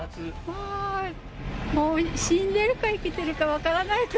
まあ、もう死んでるか生きてるか分からない。